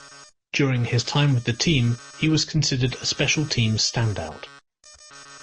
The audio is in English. During his time with the team, he was considered a special teams standout.